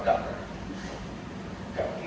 คุณพร้อมกับเต้ย